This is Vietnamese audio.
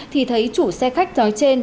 thì thấy chủ xe khách nói trên